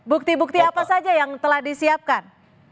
bukti bukti apa saja yang telah disiapkan